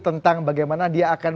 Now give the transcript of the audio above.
tentang bagaimana dia akan